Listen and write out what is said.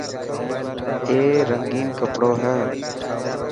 اي رنگين ڪپڙو هي.